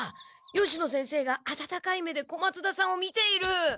吉野先生があたたかい目で小松田さんを見ている！